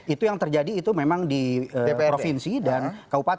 itu yang terjadi itu memang di provinsi dan kaupaten